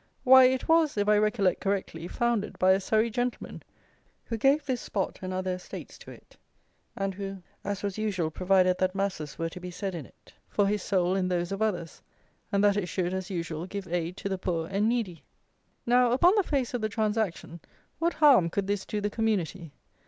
Why, it was, if I recollect correctly, founded by a Surrey gentleman, who gave this spot and other estates to it, and who, as was usual, provided that masses were to be said in it for his soul and those of others, and that it should, as usual, give aid to the poor and needy. Now, upon the face of the transaction, what harm could this do the community?